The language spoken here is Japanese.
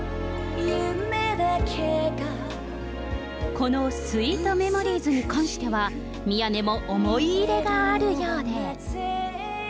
このスイートメモリーズに関しては、宮根も思い入れがあるようで。